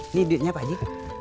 ini duitnya pak ji